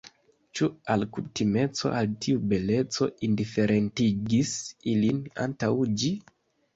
Ĉu alkutimeco al tiu beleco indiferentigis ilin kontraŭ ĝi?